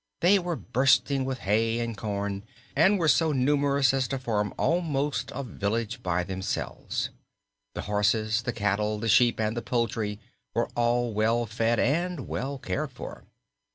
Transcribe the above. They were bursting with hay and corn, and were so numerous as to form almost a village by themselves. The horses, the cattle, the sheep and the poultry were all well fed and well cared for.